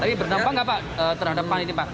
tapi berdampak tidak pak terhadap pan ini pak